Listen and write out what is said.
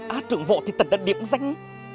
á trưởng vộ thì tật đã điểm danh